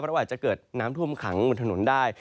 เพราะว่าอาจจะเกิดน้ำท่วมขังบนถนนได้